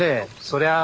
そりゃ。